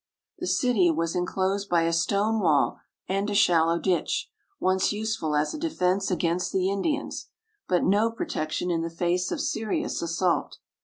The city was inclosed by a stone wall and a shallow ditch, once useful as a defence against the Indians, but no protection in the face of serious assault.